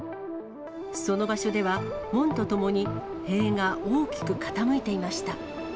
その場所では、門とともに塀が大きく傾いていました。